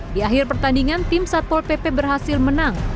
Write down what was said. di akhir pertandingan tim satpol pp berhasil menang